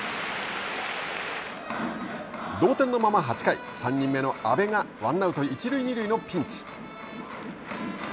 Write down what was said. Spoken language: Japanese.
同点のまま８回、３人目の阿部がワンアウト、一塁二塁のピンチ。